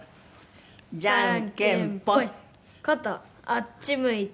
あっち向いてほい！